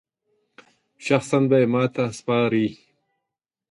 شخصاً به یې ماته سپاري.